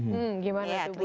hmm gimana tuh bu